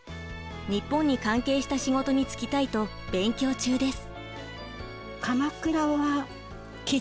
日本に関係した仕事に就きたいと勉強中です。